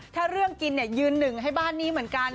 ถ้าเรื่องกินเนี่ยยืนหนึ่งให้บ้านนี้เหมือนกัน